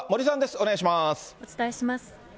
お伝えします。